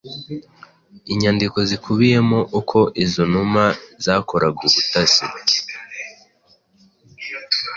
Inyandiko zikubiyemo uko izo numa zakoraga ubutasi